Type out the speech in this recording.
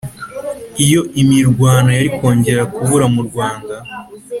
iyo imirwano yari kongera kubura mu rwanda.